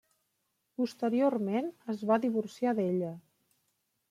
Posteriorment es va divorciar d'ella.